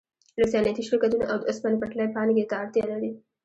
لوی صنعتي شرکتونه او د اوسپنې پټلۍ پانګې ته اړتیا لري